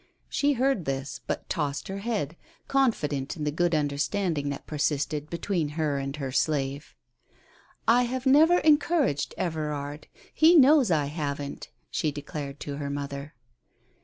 She heard this, but tossed her head, confident in the good understanding that subsisted between her and her slave. "I have never encouraged Everard. He knows I haven't," she declared to her mother.